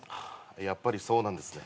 やっぱりそうなんですね。